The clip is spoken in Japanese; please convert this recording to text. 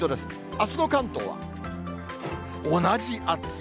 あすの関東は、同じ暑さ。